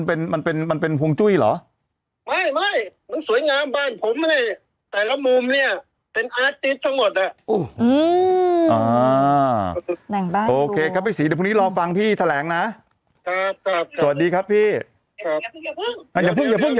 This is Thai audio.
เหมือนงามบ้านผมนะดีแต่ละมุมเนี้ย